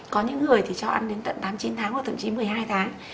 có những người thì cho ăn đến tận tám chín tháng hoặc tận chín một mươi hai tháng